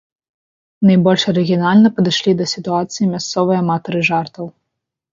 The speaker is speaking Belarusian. Найбольш арыгінальна падышлі да сітуацыі мясцовыя аматары жартаў.